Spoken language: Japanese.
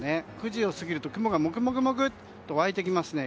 ９時を過ぎると雲がモクモクっと湧いてきますね。